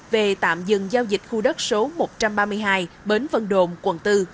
về tạm dừng giao dịch khu đất số một trăm ba mươi hai bến vân đồn quận bốn